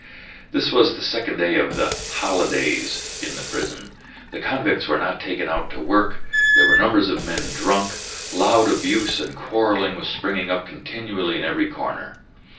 This was the second day of the "holidays" in the prison; the convicts were not taken out to work, there were numbers of men drunk, loud abuse and quarrelling was springing up continually in every corner.